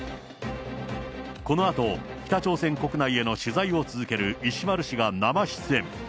このあと、北朝鮮国内への取材を続ける石丸氏が生出演。